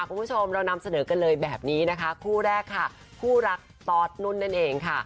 คุณผู้ชมเรานำเสนอกันเลยแบบนี้นะคะคู่แรกค่ะคู่รักตอสนุ่นนั่นเองค่ะ